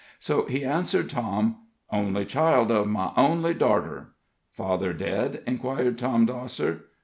So he answered Tom: "Only child of my only darter." "Father dead?" inquired Tom Dosser.